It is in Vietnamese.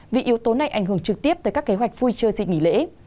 vì yếu tố này ảnh hưởng trực tiếp tới các kế hoạch vui chơi dịp nghỉ lễ